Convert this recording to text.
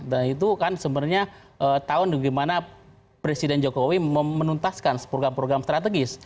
dan itu kan sebenarnya tahun bagaimana presiden jokowi memenuntaskan program program strategis